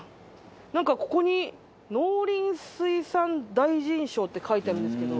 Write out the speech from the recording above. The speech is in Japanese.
なんかここに「農林水産大臣賞」って書いてあるんですけど。